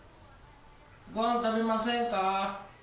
ごはん食べませんか。